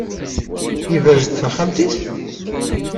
Yebrez-d taxxamt-is?